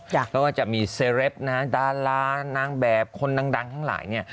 แล้วก็จะมีเซร็ปนะดารานางแบบคนนางดังทั้งหลายเนี่ย